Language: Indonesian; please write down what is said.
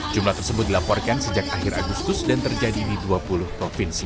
jumlah tersebut dilaporkan sejak akhir agustus dan terjadi di dua puluh provinsi